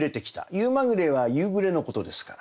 「夕まぐれ」は夕暮れのことですから。